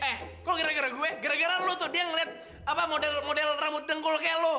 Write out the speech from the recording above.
eh kok gara gara gue gara gara lo tuh dia ngeliat model model rambut dengkul kayak lo